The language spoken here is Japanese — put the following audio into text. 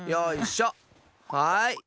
はい。